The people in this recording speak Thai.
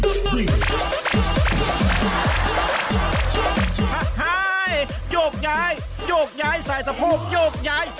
โอโหยโยกยายใส่สะโพกโยกยาย